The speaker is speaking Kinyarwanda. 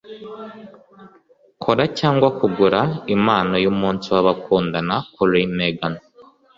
Kora cyangwa kugura impano y'umunsi w'abakundana kuri Megan.